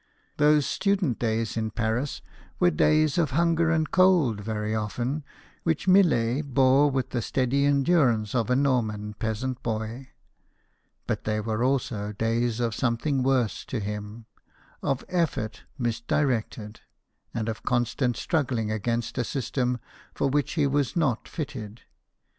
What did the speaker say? Those student days in Paris were days of hunger and cold, very often, which Millet bore with the steady endurance of a Norman peasant JEAN FRANQOIS MILLET, PAINTER. 123 boy. But they were also days of something worse to him of effort misdirected, and of con stant struggling against a system for which he was not fitted.